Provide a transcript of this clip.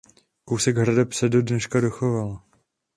Kousek hradeb se do dneška dochoval.